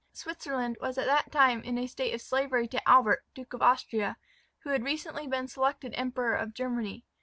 Switzerland was at that time in a state of slavery to Albert, Duke of Austria, who had recently been selected Emperor of Germany.